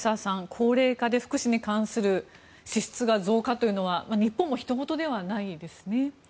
高齢化で福祉に関する支出が増加というのは日本もひと事ではないですね。